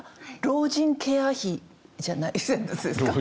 老人ケア費じゃないですか？